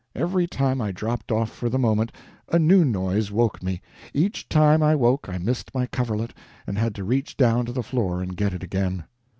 Every time I dropped off for the moment, a new noise woke me. Each time I woke I missed my coverlet, and had to reach down to the floor and get it again.